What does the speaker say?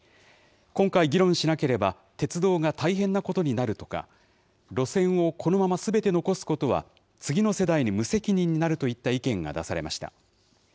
今回、議論しなければ、鉄道が大変なことになるとか、路線をこのまますべて残すことは、次の世代に無責任になるといった意見が出されました。